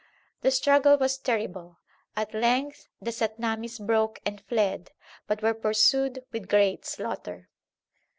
The struggle was terrible. At length the Satnamis broke and fled, but were pursued with great slaughter.